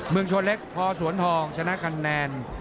เมืองชนเล็กพอสวนทองชนะคะแนน